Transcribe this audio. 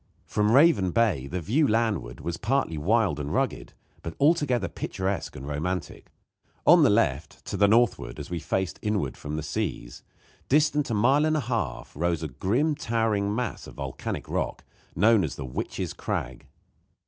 From Raven Bay the view landward was partly wild and rugged, but altogether picturesque and romantic. On the left, to the northward, as we face inward from the seas, distant a mile and a half rose a grim towering mass of volcanic rock, known as the Witch's Crag.